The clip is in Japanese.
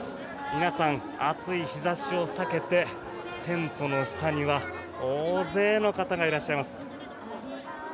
皆さん、暑い日差しを避けてテントの下には大勢の方がいらっしゃいます。